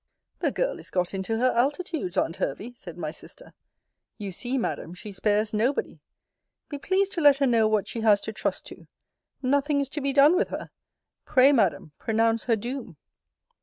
The girl is got into her altitudes, Aunt Hervey, said my sister. You see, Madam, she spares nobody. Be pleased to let her know what she has to trust to. Nothing is to be done with her. Pray, Madam, pronounce her doom.